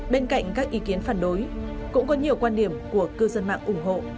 bên cạnh các ý kiến phản đối cũng có nhiều quan điểm của cư dân mạng ủng hộ